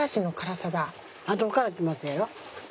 あとからきますやろ。